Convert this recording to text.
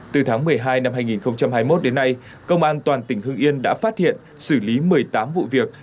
từ tháng một mươi hai năm hai nghìn hai mươi một đến nay công an toàn tỉnh hưng yên đã phát hiện xử lý một mươi tám vụ việc